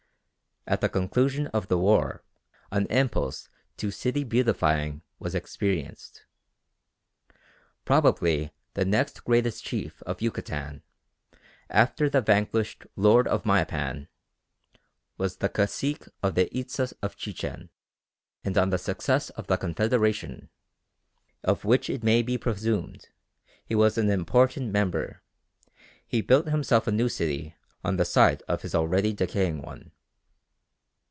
At the conclusion of the war an impulse to city beautifying was experienced. Probably the next greatest chief of Yucatan, after the vanquished lord of Mayapan, was the cacique of the Itzas of Chichen, and on the success of the confederation, of which it may be presumed he was an important member, he built himself a new city on the site of his already decaying one.